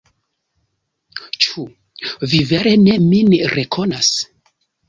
Ĉu vi vere ne min rekonas?